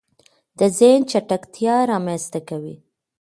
د زهن چټکتیا رامنځته کوي